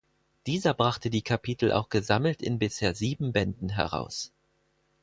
Dieser brachte die Kapitel auch gesammelt in bisher sieben Bänden heraus.